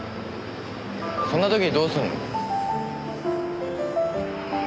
そんな時どうするの？